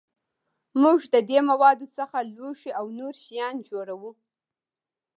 موږ د دې موادو څخه لوښي او نور شیان جوړوو.